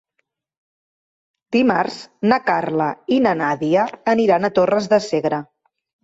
Dimarts na Carla i na Nàdia aniran a Torres de Segre.